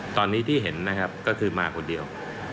ตอนนี้ที่เห็นนะครับก็คือมาคนเดียว